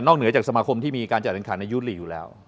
นอกเหนือจากสมาคมที่มีการจัดอันคารในยุฤหลีอยู่แล้ว